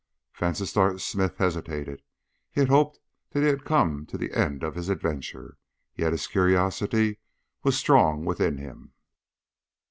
Vansittart Smith hesitated. He had hoped that he had come to the end of his adventure. Yet his curiosity was strong within him.